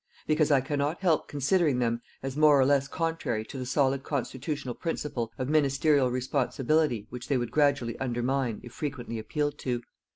Because I cannot help considering them as more or less contrary to the solid constitutional principle of ministerial responsibility which they would gradually undermine if frequently appealed to.